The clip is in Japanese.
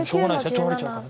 取られちゃうから。